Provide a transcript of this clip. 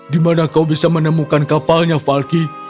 di mana kau bisa menemukan kapalnya falky